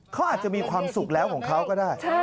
เขาอาจจะมีความสุขแล้วของเขาก็ได้